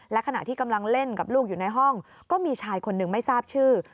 และขณะที่กำลังเล่นกับลูกอยู่ในห้องก็มีชายคนหนึ่งไม่ทราบชื่อ